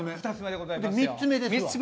で３つ目ですわ。